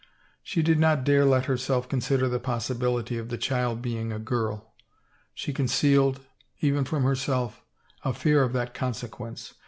She did not dare let herself consider the possibility of the child being a girl. She concealed, even from herself, a fear of that consequence.